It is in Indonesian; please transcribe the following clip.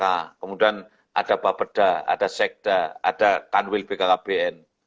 kemudian ada bapeda ada sekda ada kanwil bkkbn